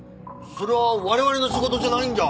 それは我々の仕事じゃないんじゃ。